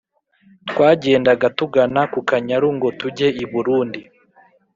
twagendaga tugana kukanyaru ngo tujye i burundi